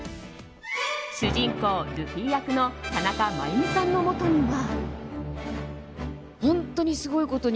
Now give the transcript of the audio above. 主人公ルフィ役の田中真弓さんのもとには。